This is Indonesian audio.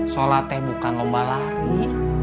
sholat teh bukan lomba lari